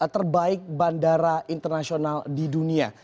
terbaik bandara internasional di dunia